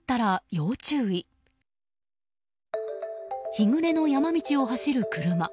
日暮れの山道を走る車。